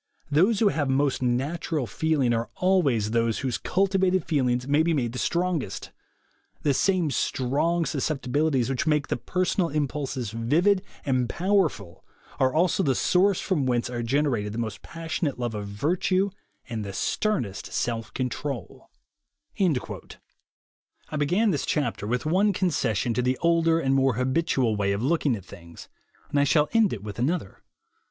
Those who have most natural feeling, are always those whose cultivated feelings may be made the strongest. The same strong sus ceptibilities which make the personal impulses vivid and powerful are also the source from whence are generated the most passionate love of virtue, and the sternest self control," I began this chapter with one concession to the older and more habitual way of looking at things, and I shall end it with another.